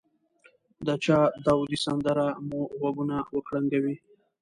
د چا داودي سندره مو غوږونه وکړنګوي.